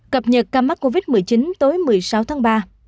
cập nhật ca mắc covid một mươi chín tối một mươi sáu tháng ba